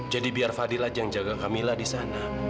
jadi biar fadil aja yang jaga kamila disana